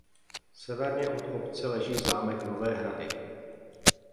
Severně od obce leží zámek Nové Hrady.